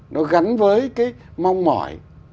nó gắn với cái mong mỏi